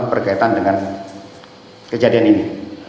berkaitan dengan kejadian ini